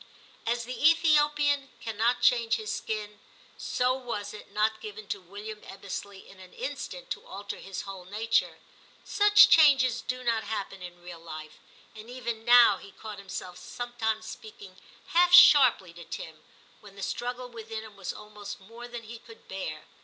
As the Ethiopian cannot change his skin, so was it not given to William Ebbesley in an instant to alter his whole nature ; such changes do not happen in real life ; and even now he caught himself sometimes speaking half sharply to Tim, when the struggle within him was almost more than he could bear.